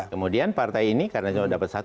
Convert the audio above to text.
kemudian partai ini karena cuma dapat satu